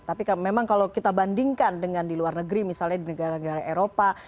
tapi memang kalau kita bandingkan dengan di luar negeri misalnya di negara negara eropa